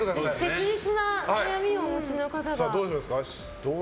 切実な悩みをお持ちの方が。